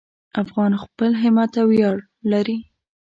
افغان خپل همت ته ویاړ لري.